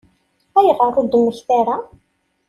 Ayɣer ur d-temmekta ara?